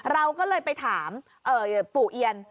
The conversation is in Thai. เราก็เลยไปถามปู่เอียน